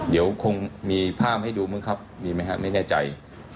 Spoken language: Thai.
เดี๋ยวคงมีภาพให้ดูมั้งครับมีไหมครับไม่แน่ใจ